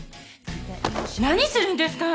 何するんですか？